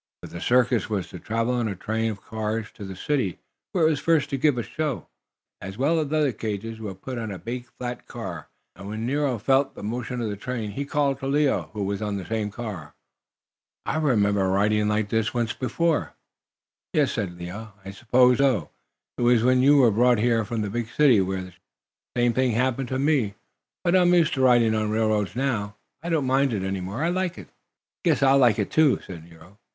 For the circus was to travel on a train of cars to the city where it was first to give a show. Nero's cage, as well as other cages, were put on a big flat car, and when the engine started puffing and pulling away, and when Nero felt the motion of the train, he called to Leo, who was on the same car: "I remember riding like this once before." "Yes," said Leo, "I suppose so. It was when you were brought here from the big city where the ship landed. The same thing happened to me. But I am used to riding on railroads now. I don't mind it any more. I like it." "I guess I'll like it, too," said Nero.